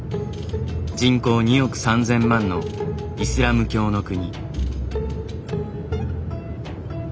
人口２億３，０００万のイスラム教の国。